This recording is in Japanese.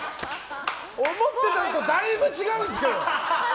思ってたのとだいぶ違うんですけど。